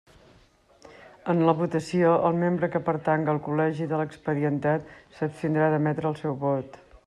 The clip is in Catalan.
En la votació, el membre que pertanga al col·legi de l'expedientat, s'abstindrà d'emetre el seu vot.